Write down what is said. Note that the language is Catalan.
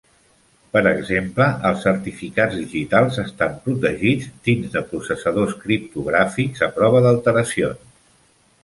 Per exemple, els certificats digitals estan protegits dins de processadors criptogràfics a prova d'alteracions.